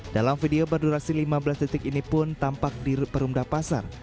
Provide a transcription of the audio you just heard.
dalam video berdurasi lima belas detik ini pun tampak di perumda pasar